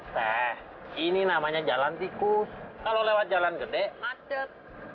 teh ini namanya jalan tikus kalau lewat jalan gede macet